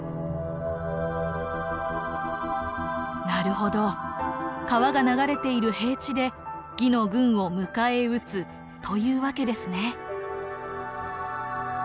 なるほど川が流れている平地で魏の軍を迎え撃つというわけですね。